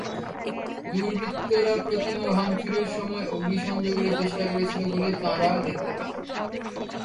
দুর্বৃত্তরা প্রতিমা ভাঙচুরের সময় অগ্নিসংযোগেরও চেষ্টা করেছিল বলে তাঁরা দেখতে পান।